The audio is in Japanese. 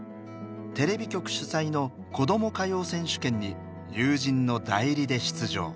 テレビ局主催の「こども歌謡選手権」に友人の代理で出場。